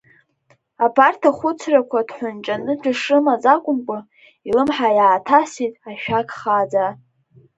Абарҭ ахәыцрақәа дҳәынҷаны дышрымаз акәымкәа, илымҳа иааҭасит ашәак хааӡа.